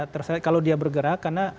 terserah kalau dia bergerak karena